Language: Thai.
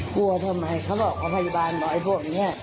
กลัวทำไมเขาบอกว่าพยาบาลบอกไอ้พวกนี้